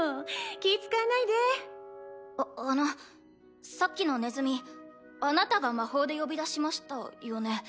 気ぃ遣わないでああのさっきのネズミあなたが魔法で呼び出しましたよね？